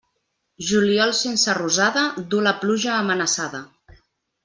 Juliol sense rosada, du la pluja amenaçada.